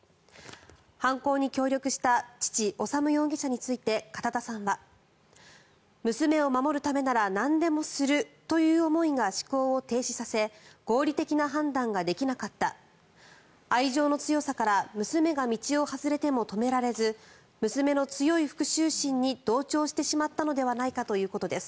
犯行に協力した父・修容疑者について片田さんは娘を守るためならなんでもするという思いが思考を停止させ合理的な判断ができなかった愛情の強さから娘が道を外れても止められず娘の強い復しゅう心に同調してしまったのではないかということです。